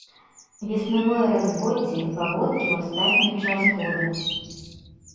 Веснавое разводдзе, паводкі ў астатні час года.